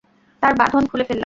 তার বাঁধন খুলে ফেললাম।